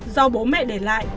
do bố mẹ để lại